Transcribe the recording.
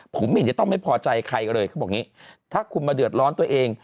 ผมไม่เห็นจะต้องไม่พอใจใครเลยเขาบอกอย่างนี้ถ้าคุณมาเดือดร้อนตัวเอง